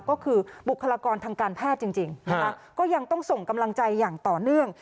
ก็คือบุคลากรทางการแพทย์จริงนะคะก็ยังต้องส่งกำลังใจอย่างต่อเนื่อง